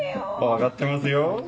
分かってますよ。